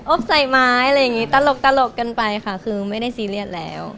ใส่ไม้อะไรอย่างนี้ตลกกันไปค่ะคือไม่ได้ซีเรียสแล้ว